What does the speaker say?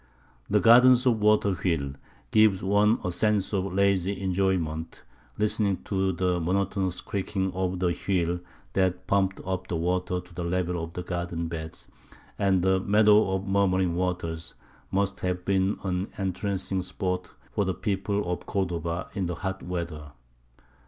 The "Garden of the Water wheel" gives one a sense of lazy enjoyment, listening to the monotonous creaking of the wheel that pumped up the water to the level of the garden beds; and the "Meadow of Murmuring Waters" must have been an entrancing spot for the people of Cordova in the hot weather.